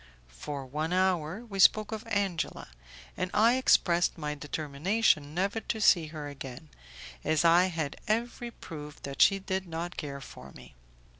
For one hour we spoke of Angela, and I expressed my determination never to see her again, as I had every proof that she did not care for me.